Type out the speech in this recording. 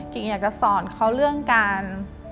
กิ่งอยากจะสอนเขาเรื่องการ